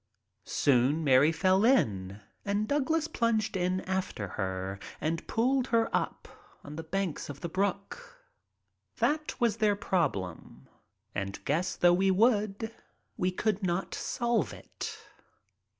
Soon Mary fell in and Douglas plunged in after her and pulled her up on the banks of the brook. That was their problem, and, guess though we would, we could not solve it.